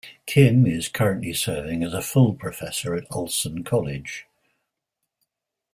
Kim is currently serving as a full professor at Ulsan College.